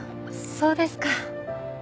そうですか。